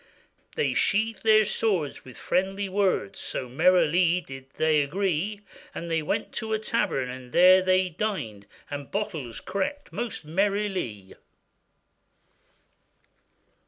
They sheathèd their swords with friendly words, So merrily they did agree; They went to a tavern and there they dined, And bottles cracked most merrilie.